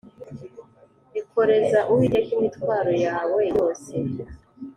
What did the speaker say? Ikoreza uwiteka imitwaro yawe yose